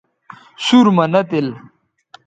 سُور مہ نہ تِل